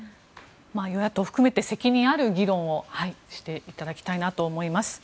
与野党含めて責任ある議論をしていただきたいなと思います。